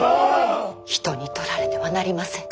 人に取られてはなりません。